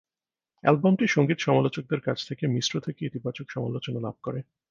অ্যালবামটি সঙ্গীত সমালোচকদের কাছ থেকে মিশ্র থেকে ইতিবাচক সমালোচনা লাভ করে।